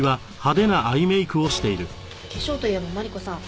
化粧といえばマリコさん